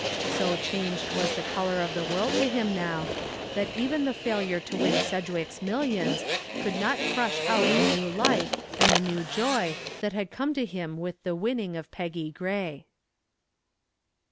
So changed was the color of the world to him now that even the failure to win Sedgwick's millions could not crush out the new life and the new joy that had come to him with the winning of Peggy Gray.